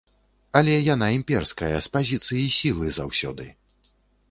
Але яна імперская, з пазіцыі сілы заўсёды.